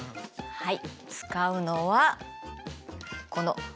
はい。